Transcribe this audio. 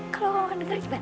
kalau orang orang negara iban